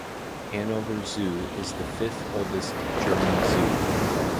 Hanover Zoo is the fifth oldest German zoo.